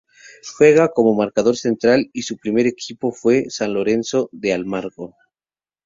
Juega como marcador central y su primer equipo fue San Lorenzo de Almagro.